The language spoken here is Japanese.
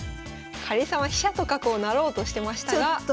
かりんさんは飛車と角を成ろうとしてましたが。